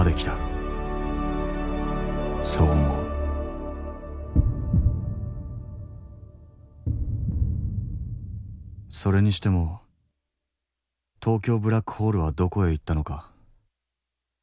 そう思うそれにしても東京ブラックホールはどこへ行ったのか。